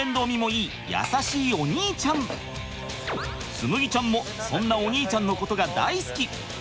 紬ちゃんもそんなお兄ちゃんのことが大好き。